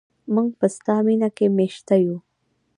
موږ په ستا مینه کې میشته یو.